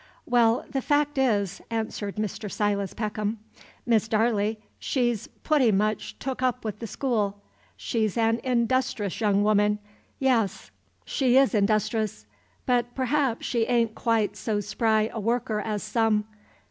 "Well, the fact is," answered Mr. Silas Peckham, "Miss Darley, she's pooty much took up with the school. She's an industris young. woman, yis, she is industris, but perhaps she a'n't quite so spry a worker as some.